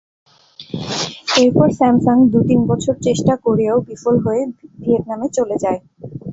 এরপর স্যামসাং দু-তিন বছর চেষ্টা করেও বিফল হয়ে ভিয়েতনামে চলে যায়।